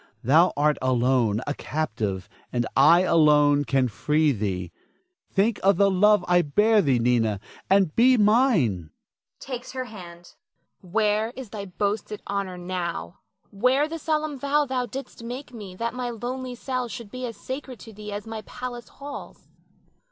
Thou art alone, a captive, and I alone can free thee. Think of the love I bear thee, Nina, and be mine [takes her hand]. Nina. Where is thy boasted honor now? Where the solemn vow thou didst make me that my lonely cell should be as sacred to thee as my palace halls?